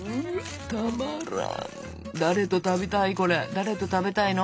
誰と食べたいの？